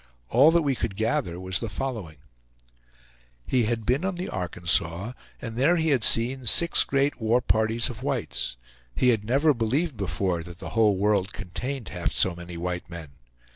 All that we could gather was the following: He had been on the Arkansas, and there he had seen six great war parties of whites. He had never believed before that the whole world contained half so many white men.